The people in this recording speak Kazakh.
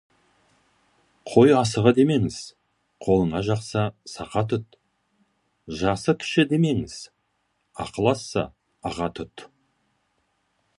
Қой асығы демеңіз, қолыңа жақса, сақа тұт, жасы кіші демеңіз, ақылы асса, аға тұт.